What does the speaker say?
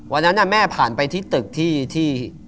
วันนั้นแม่ผ่านไปที่ตึกที่